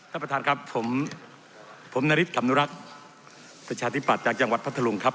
ท่านประธานครับผมผมนาริสคำนุรักษ์ประชาธิปัตย์จากจังหวัดพัทธรุงครับ